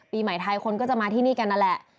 ปีใหม่ไทยคนก็จะมาที่นี่กันนั่นแหละ